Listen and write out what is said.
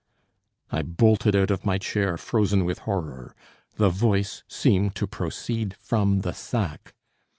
I bolted out of my chair, frozen with horror. The voice seemed to proceed from the sack!